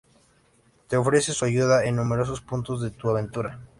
Te ofrece su ayuda en numerosos puntos de tu aventura.